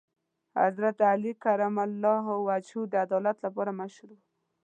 حضرت علی کرم الله وجهه د عدالت لپاره مشهور و.